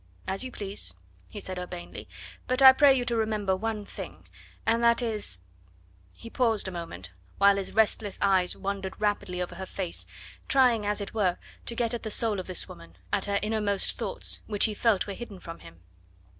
"As you please," he replied urbanely. "But I pray you to remember one thing, and that is " He paused a moment while his restless eyes wandered rapidly over her face, trying, as it were, to get at the soul of this woman, at her innermost thoughts, which he felt were hidden from him.